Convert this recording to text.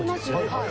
はい。